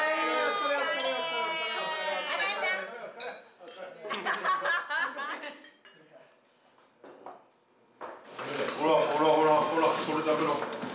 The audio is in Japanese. ほらほらほらほらこれ食べろ。